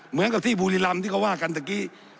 เหมือนกับที่บูริลำที่เขาว่ากันตะกี้